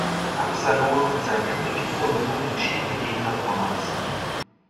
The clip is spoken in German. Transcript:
Absalon und sein König wurden nun entschiedene Gegner Pommerns.